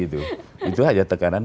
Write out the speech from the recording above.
itu saja tekanan